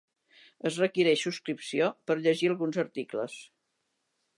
Es requereix subscripció per llegir alguns articles.